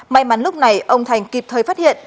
may mắn lúc này ông thành kịp thời phát hiện